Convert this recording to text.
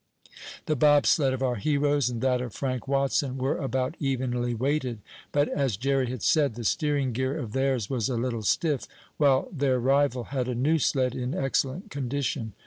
The bobsled of our heroes and that of Frank Watson were about evenly weighted, but, as Jerry had said, the steering gear of theirs was a little stiff, while their rival had a new sled in excellent condition.